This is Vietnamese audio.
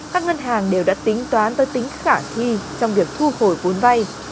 các ngân hàng đều đã tính toán tới tính khả thi trong việc thu hồi vốn vay